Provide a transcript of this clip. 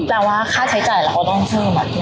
แปลว่าค่าใช้จ่ายเราก็ต้องเพิ่มมา